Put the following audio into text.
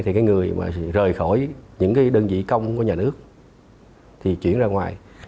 thì cái người mà rời khỏi những cái đơn vị công của nhà nước thì chuyển ra ngoài